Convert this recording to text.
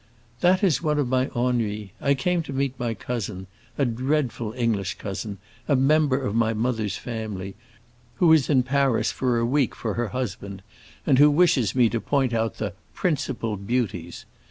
"That is one of my ennuis. I came to meet my cousin—a dreadful English cousin, a member of my mother's family—who is in Paris for a week for her husband, and who wishes me to point out the 'principal beauties.